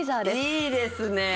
いいですね。